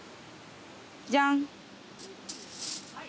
じゃん。